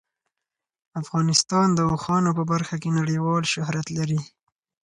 افغانستان د اوښانو په برخه کې نړیوال شهرت لري.